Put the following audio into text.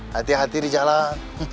hati hati di jalan